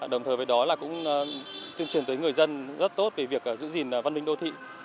đồng thời với đó là cũng tuyên truyền tới người dân rất tốt về việc giữ gìn văn minh đô thị